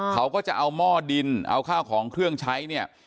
เขาก็จะเอาหม้อดินเอาข้าวของเครื่องใช้เนี่ย